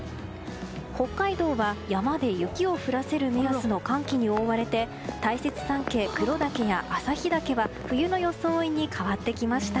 北海道は、山で雪を降らせる目安の寒気に覆われて大雪山系・黒岳や旭岳は冬の装いに変わってきました。